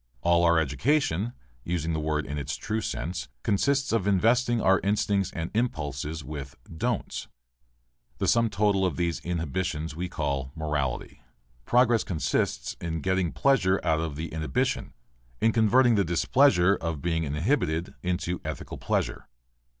All our education, using the word in its true sense, consists in investing our instincts and impulses with don'ts. The sum total of these inhibitions we call morality. Progress consists in getting pleasure out of the inhibition, in converting the displeasure of being inhibited into ethical pleasure.